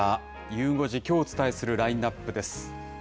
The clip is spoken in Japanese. ゆう５時、きょうお伝えするラインナップです。